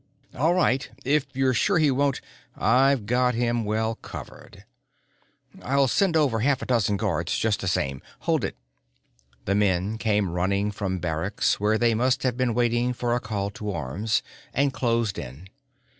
"All right. If you're sure he won't " "I've got him well covered." "I'll send over half a dozen guards just the same. Hold it." The men came running from barracks, where they must have been waiting for a call to arms, and closed in.